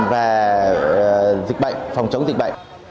về dịch bệnh phòng chống dịch bệnh